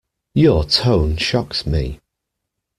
Your tone shocks me.